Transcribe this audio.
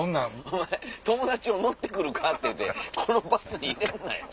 お前友達も「乗って来るか？」って言うてこのバスに入れんなよ。